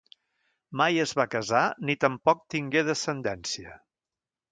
Mai es va casar ni tampoc tingué descendència.